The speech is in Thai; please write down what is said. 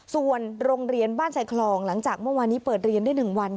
ส่วนโรงเรียนบ้านไซคลองหลังจากเมื่อวานนี้เปิดเรียนได้๑วัน